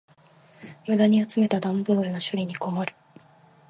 無駄に集めた段ボールの処理に困る。